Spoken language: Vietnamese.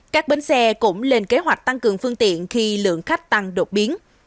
các bến xe cũng lên kế hoạch tăng cường phương tiện khi lượng khách tăng đột biến